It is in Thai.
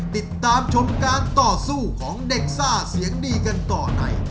ติดตามชมการต่อสู้ของเด็กซ่าเสียงดีกันต่อใน